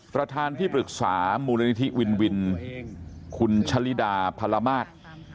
ประธานที่ปรึกษามูลนิธิวินวินคุณชะลิดาพรมาศ